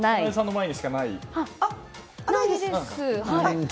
ないですか？